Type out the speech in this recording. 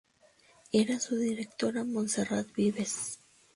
Era su directora Monserrat Vives.